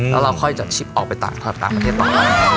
แล้วเราค่อยจัดชิปออกไปต่างประเทศต่อไป